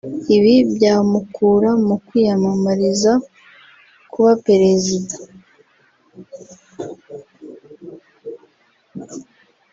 Ibi byamukura mu kwiyamamariza kuba Perezida